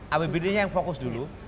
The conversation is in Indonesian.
apbd yang fokus dulu